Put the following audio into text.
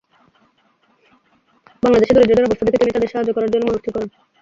বাংলাদেশে দরিদ্রদের অবস্থা দেখে তিনি তাদের সাহায্য করার জন্য মনস্থির করেন।